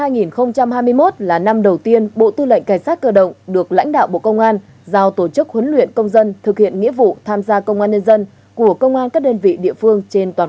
năm hai nghìn hai mươi một là năm đầu tiên bộ tư lệnh cảnh sát cơ động được lãnh đạo bộ công an giao tổ chức huấn luyện công dân thực hiện nghĩa vụ tham gia công an nhân dân của công an các đơn vị địa phương trên toàn quốc